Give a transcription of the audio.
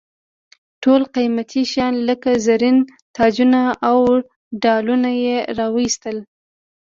ټول قیمتي شیان لکه زرین تاجونه او ډالونه یې را واېستل.